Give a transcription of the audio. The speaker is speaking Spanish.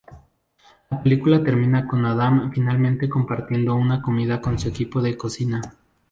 La película termina con Adam finalmente compartiendo una comida con su equipo de cocina.